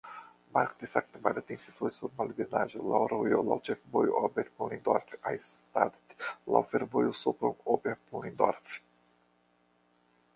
Markt Sankt Martin situas sur malebenaĵo, laŭ rojo, laŭ ĉefvojo Oberpullendorf-Eisenstadt, laŭ fervojo Sopron-Oberpullendorf.